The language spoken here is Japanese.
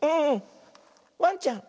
ワンちゃん。